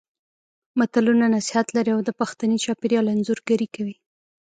متلونه نصيحت لري او د پښتني چاپېریال انځورګري کوي